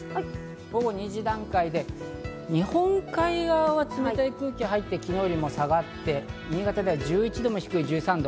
午後２時段階で、日本海側は冷たい空気が入って昨日より下がって、新潟では１１度も低い１３度。